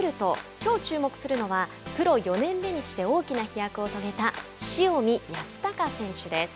きょう注目するのはプロ４年目にして大きな飛躍を遂げた塩見泰隆選手です。